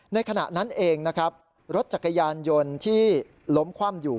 ขณะนั้นเองนะครับรถจักรยานยนต์ที่ล้มคว่ำอยู่